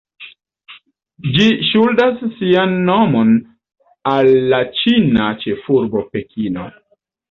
Ĝi ŝuldas sian nomon al la ĉina ĉefurbo Pekino.